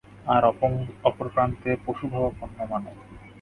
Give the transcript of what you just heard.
আর অপর প্রান্তে পশুভাবাপন্ন মানব।